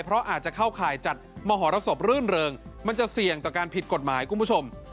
เพราะอาจจะเข้าข่ายจัดมหรสบรื่นเริงมันจะเสี่ยงต่อการผิดกฎหมายคุณผู้ชม